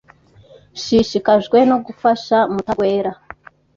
Nshishikajwe no gufasha Mutagwera.